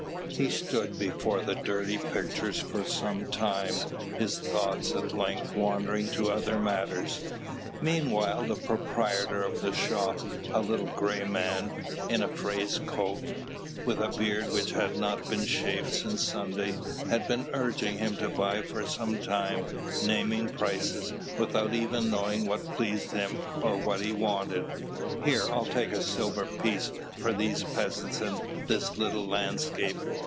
He stood before the dirty pictures for some time, his thoughts at length wandering to other matters. Meanwhile the proprietor of the shop, a little grey man, in a frieze cloak, with a beard which had not been shaved since Sunday, had been urging him to buy for some time, naming prices, without even knowing what pleased him or what he wanted. "Here, I'll take a silver piece for these peasants and this little landscape.